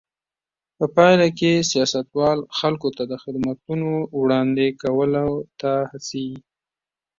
په پایله کې سیاستوال خلکو ته د خدمتونو وړاندې کولو ته هڅېږي.